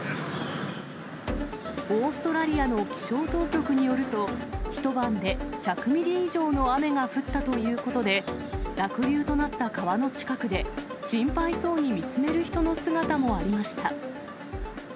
オーストラリアの気象当局によると、一晩で１００ミリ以上の雨が降ったということで、濁流となった川の近くで、心配そうに見つめる人の姿もありました。